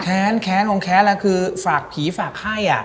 แค้นแค้นของแค้นแล้วคือฝากผีฝากให้